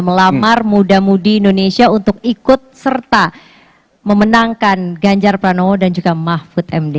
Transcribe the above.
melamar muda mudi indonesia untuk ikut serta memenangkan ganjar pranowo dan juga mahfud md